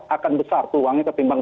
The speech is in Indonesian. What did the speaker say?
akan besar terlalu banyak ketimbang